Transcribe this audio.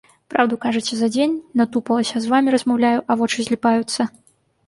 Праўду кажаце, за дзень натупалася, з вамі размаўляю, а вочы зліпаюцца.